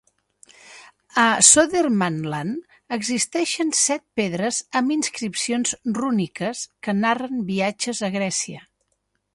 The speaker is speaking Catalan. A Södermanland existeixen set pedres amb inscripcions rúniques que narren viatges a Grècia.